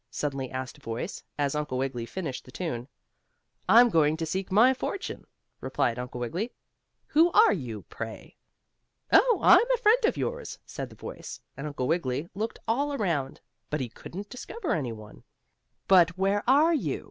suddenly asked a voice, as Uncle Wiggily finished the tune. "I'm going to seek my fortune," replied Uncle Wiggily. "Who are you, pray?" "Oh, I'm a friend of yours," said the voice, and Uncle Wiggily looked all around, but he couldn't discover any one. "But where are you?"